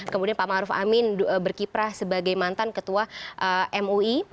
kemudian pak maruf amin berkiprah sebagai mantan ketua mui